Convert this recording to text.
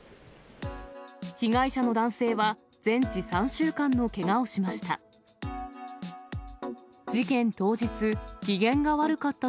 被害者の男性は全治３週間のけがをしました。